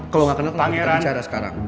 kalau nggak kenal kita bicara sekarang